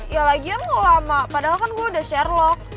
ya lagian gak lama padahal kan gue udah sherlock